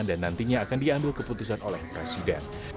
dan nantinya akan diambil keputusan oleh presiden